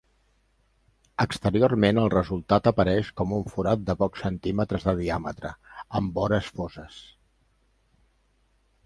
Exteriorment el resultat apareix com un forat de pocs centímetres de diàmetre, amb vores foses.